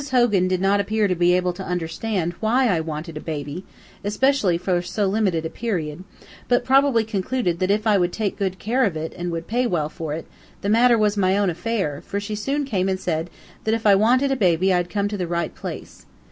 Hogan did not appear to be able to understand why I wanted a baby especially for so limited a period, but probably concluded that if I would take good care of it and would pay well for it, the matter was my own affair, for she soon came and said, that if I wanted a baby, I'd come to the right place.